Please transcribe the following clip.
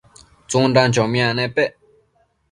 tsundan chomiac nepec